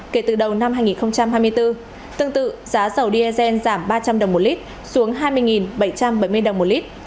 kể từ đầu năm hai nghìn hai mươi bốn tương tự giá dầu diesel giảm ba trăm linh đồng một lít xuống hai mươi bảy trăm bảy mươi đồng một lít